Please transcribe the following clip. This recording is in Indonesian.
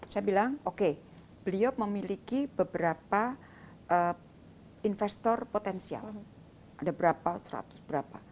saya bilang oke beliau memiliki beberapa investor potensial ada berapa seratus berapa